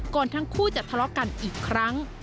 ทั้งคู่จะทะเลาะกันอีกครั้ง